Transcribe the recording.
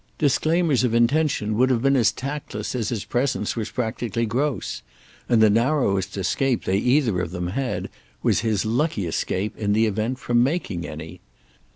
Disclaimers of intention would have been as tactless as his presence was practically gross; and the narrowest escape they either of them had was his lucky escape, in the event, from making any.